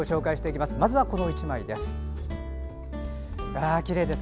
まずはこの１枚です。